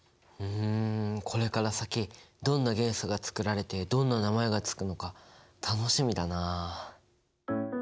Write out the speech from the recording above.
ふんこれから先どんな元素が作られてどんな名前が付くのか楽しみだな。